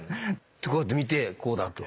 こうやって見てこうだと。